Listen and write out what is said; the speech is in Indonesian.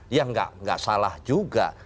ya nggak salah juga